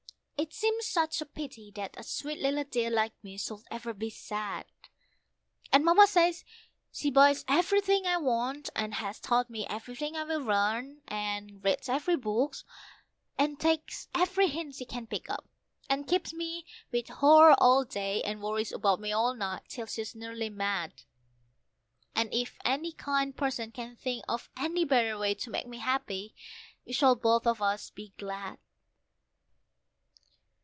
It seems such a pity that a sweet little dear like me should ever be sad. And Mamma says she buys everything I want, and has taught me everything I will learn, and reads every book, and takes every hint she can pick up, and keeps me with her all day, and worries about me all night, till she's nearly mad; And if any kind person can think of any better way to make me happy we shall both of us be glad.